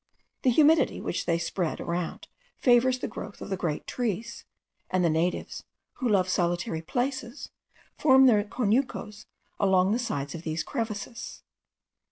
The humidity which they spread around favours the growth of the great trees; and the natives, who love solitary places, form their conucos along the sides of these crevices.